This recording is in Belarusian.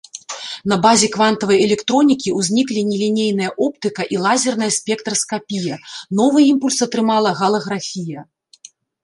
На базе квантавай электронікі ўзніклі нелінейная оптыка і лазерная спектраскапія, новы імпульс атрымала галаграфія.